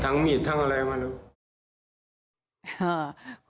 ทั้งมีดทั้งอะไรมาแล้ว